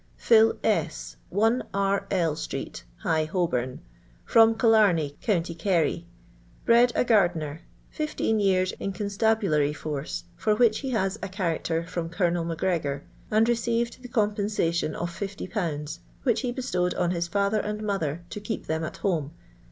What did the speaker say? "PhiL S , 1, R— L— street, Higb Hoi bom. From Killamey, co. Kerry. Bred a rlener. Fifteen yean in constabnlary force, wkicb be has a character from CoL Macgregor, and received the compensation of 50/., which he bestowid on his fiither and mother to keep them at home.